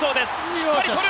しっかりとる！